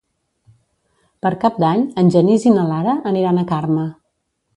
Per Cap d'Any en Genís i na Lara aniran a Carme.